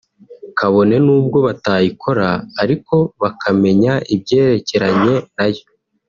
kabone n’ubwo batayikora ariko bakamenya ibyerekeranye nayo